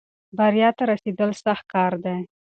بریا ته رسېدل سخت کار دی.